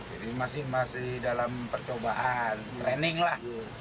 jadi masih dalam percobaan training lah